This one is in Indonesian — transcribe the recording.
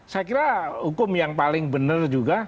saya kira hukum yang paling benar juga